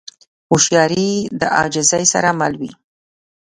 هوښیاري د عاجزۍ سره مل وي.